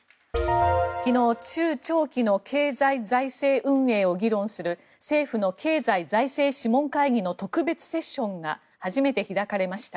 昨日、中長期の経済財政運営を議論する政府の経済財政諮問会議の特別セッションが初めて開かれました。